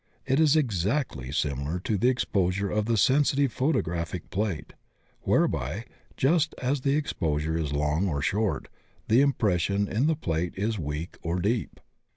It is exactly similar to the exposure of the sensitive photographic plate, whereby, just as the exposure is long or short, the impression in the plate is weak or deep.